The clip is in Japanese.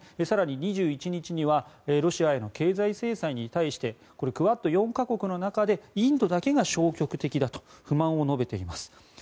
更に２１日にはロシアへの経済制裁に対してクアッド４か国の中でインドだけが消極的だと不満を述べています。